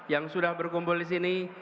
yang sudah berkumpul disini